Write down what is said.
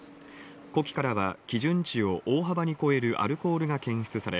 呼気からは基準値を大幅に超えるアルコールが検出され